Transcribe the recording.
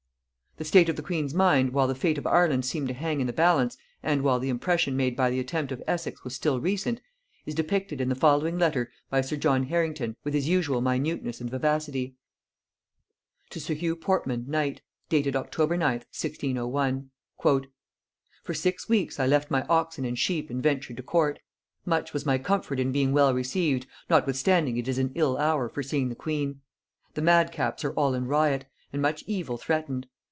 The state of the queen's mind while the fate of Ireland seemed to hang in the balance, and while the impression made by the attempt of Essex was still recent, is depicted in the following letter by sir John Harrington with his usual minuteness and vivacity. To sir Hugh Portman knight. (Dated October 9th 1601.) "...For six weeks I left my oxen and sheep and ventured to court.... Much was my comfort in being well received, notwithstanding it is an ill hour for seeing the queen. The madcaps are all in riot, and much evil threatened.